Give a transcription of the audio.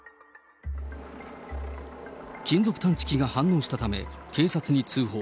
金属探知機が反応したため警察に通報。